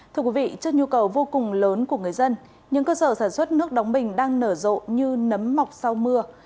thưa quý vị trước nhu cầu vô cùng lớn của người dân những cơ sở sản xuất nước đóng bình đang nở rộ như nấm mọc sau mưa